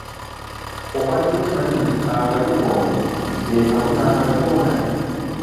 Obadde okimanyi nti akalikondo ke kamu na'kalikonda?